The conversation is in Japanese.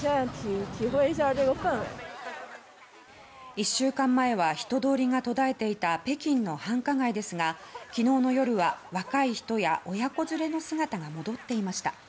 １週間前は人通りが途絶えていた北京の繁華街ですが、昨日の夜は若い人や親子連れの姿が戻っていました。